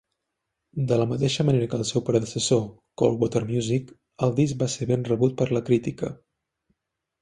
De la mateixa manera que el seu predecessor, Cold Water Music, el disc va ser ben rebut per la crítica.